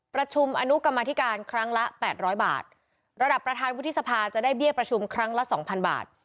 ประชุมอนุกรรมธิการครั้งละแปดร้อยบาทระดับประธานวุฒิสภาจะได้เบี้ยประชุมครั้งละสองพันบาท